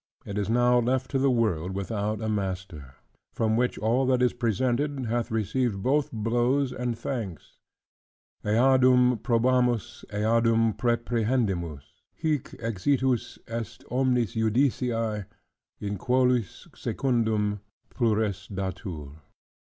It is now left to the world without a master: from which all that is presented, hath received both blows and thanks: "Eadem probamus, eadem reprehendimus: hic exitus est omnis judicii, in quolis secundum plures datur."